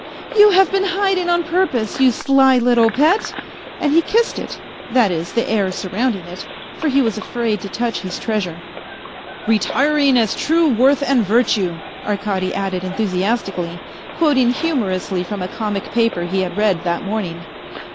" You have been hiding on purpose, you sly little pet !" And he kissed it, that is the air surrounding it, for he was afraid to touch his treasure. " Retiring as true worth and virtue," Arkady added enthusi astically, quoting humorously from a comic paper he had read that morning.